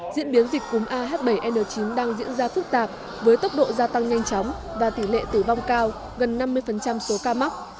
diễn biến dịch cúm ah bảy n chín đang diễn ra phức tạp với tốc độ gia tăng nhanh chóng và tỷ lệ tử vong cao gần năm mươi số ca mắc